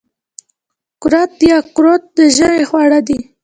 کورت یا قروت د ژمي خواړه دي.